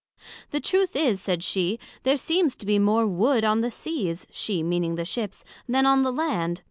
The truth is, said she, there seems to be more Wood on the Seas (she meaning the Ships) than on the Land.